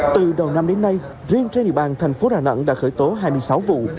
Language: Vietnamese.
từ đầu năm đến nay riêng trên địa bàn thành phố đà nẵng đã khởi tố hai mươi sáu vụ